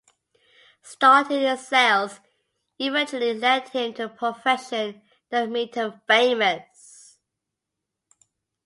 Starting in sales eventually led him to the profession that made him famous.